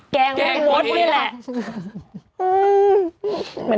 แกล้งรถเลยแหละ